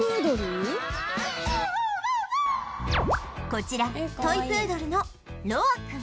こちらトイプードルのロア君